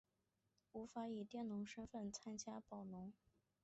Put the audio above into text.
无法以佃农身分参加农保